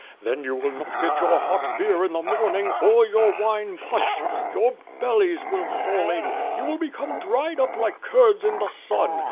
Then you will not get your hot beer in the morning, or your wine punch. Your bellies will fall in; you will become dried up like curds in the sun.